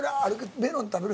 メロン食べる？